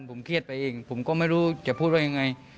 ผมเครียดไปเองผมก็ไม่รู้จะพูดว่ายังไง